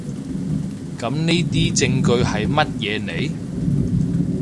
噉呢啲證據喺乜嘢嚟？